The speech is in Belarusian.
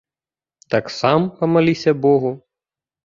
Так сам памаліся богу.